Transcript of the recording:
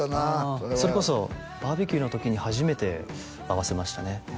それはそれこそバーベキューの時に初めて会わせましたね